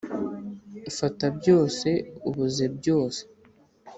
fata byose, ubuze byose.